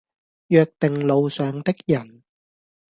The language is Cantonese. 約定路上的人，